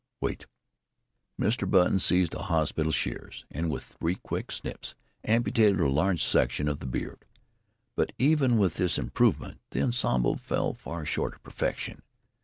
"Wait!" Mr. Button seized a hospital shears and with three quick snaps amputated a large section of the beard. But even with this improvement the ensemble fell far short of perfection.